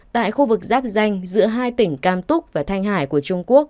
tại khu vực giáp danh giữa hai tỉnh cam túc và thanh hải của trung quốc